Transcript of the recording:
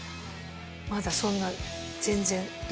まだそんな全然。